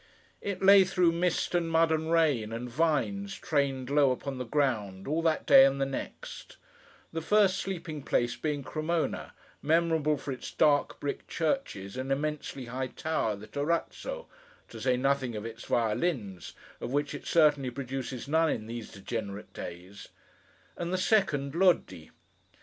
It lay through mist, and mud, and rain, and vines trained low upon the ground, all that day and the next; the first sleeping place being Cremona, memorable for its dark brick churches, and immensely high tower, the Torrazzo—to say nothing of its violins, of which it certainly produces none in these degenerate days; and the second, Lodi.